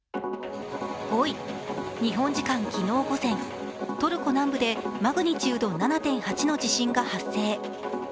日本時間昨日午前、トルコ南部でマグニチュード７．８の地震が発生。